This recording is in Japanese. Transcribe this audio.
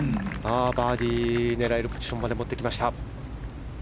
バーディーを狙えるポジションまで持ってきました。